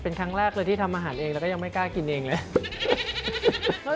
เป็นครั้งแรกเลยที่ทำอาหารเองแล้วก็ยังไม่กล้ากินเองเลย